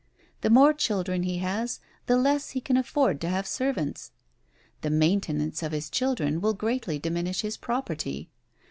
The more children he has, the less he can afford to have servants! The maintenance of his children will greatly diminish his property!